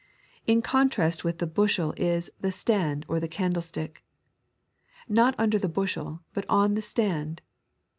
In contrast with the bushel is ike aland or eamSettiek. Not under the hnehel, but on the stand.